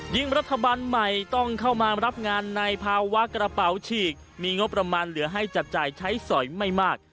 รัฐบาลใหม่ต้องเข้ามารับงานในภาวะกระเป๋าฉีกมีงบประมาณเหลือให้จับจ่ายใช้สอยไม่มาก